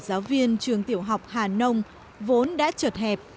giáo viên trường tiểu học hà nông vốn đã chật hẹp